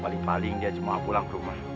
paling paling dia semua pulang ke rumah